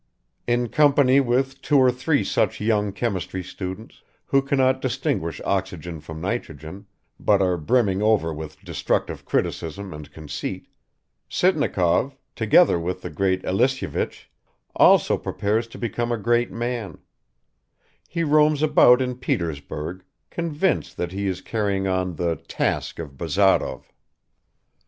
In company with two or three such young chemistry students, who cannot distinguish oxygen from nitrogen, but are brimming over with destructive criticism and conceit, Sitnikov, together with the great Elisyevich, also prepares to become a great man; he roams about in Petersburg, convinced that he is carrying on the "task" of Bazarov.